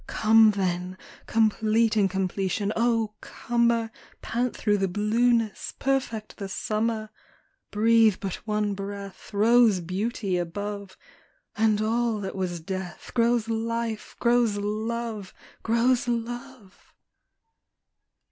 Come then, complete incompletion, O comer, Pant through the blueness, perfect the summer! Breathe but one breath Rose beauty above, And all that was death Grows life, grows love, Grows love!